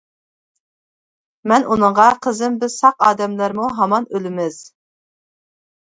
مەن ئۇنىڭغا قىزىم بىز ساق ئادەملەرمۇ ھامان ئۆلىمىز.